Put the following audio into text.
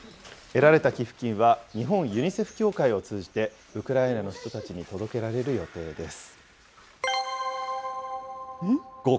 得られた寄付金は、日本ユニセフ協会を通じて、ウクライナの人たちに届けられる予定です。